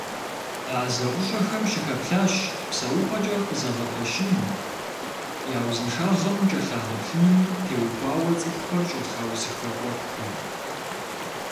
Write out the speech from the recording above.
А зэӀущӀэхэм щыхэплъащ псэупӀэкӀэ къызэгъэпэщыным, я узыншагъэм кӀэлъагъэплъыным теухуауэ цӀыхухэр щӀэтхьэусыхэ Ӏуэхухэм.